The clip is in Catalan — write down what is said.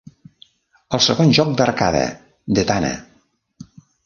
El segon joc d'arcade, Detana!!